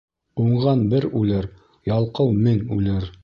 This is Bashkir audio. Уңған бер үлер, ялҡау мең үлер.